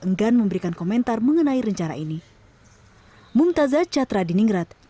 enggan memberikan komentar mengenai rencana ini